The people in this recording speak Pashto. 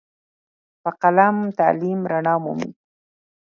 په قلم تعلیم رڼا مومي.